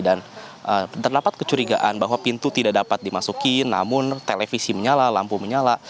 dan terdapat kecurigaan bahwa pintu tidak dapat dimasuki namun televisi menyala lampu menyala